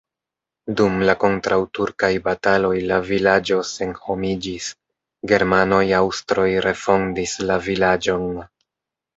Dum la kontraŭturkaj bataloj la vilaĝo senhomiĝis, germanoj-aŭstroj refondis la vilaĝon.